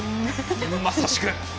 まさしく。